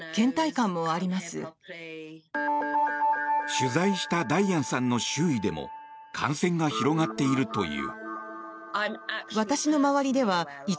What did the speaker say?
取材したダイアンさんの周囲でも感染が広がっているという。